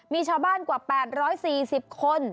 มีชาวบ้านกว่า๘๔๐คน